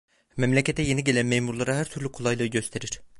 Memlekete yeni gelen memurlara her türlü kolaylığı gösterir…